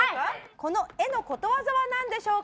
この絵のことわざは何でしょうか？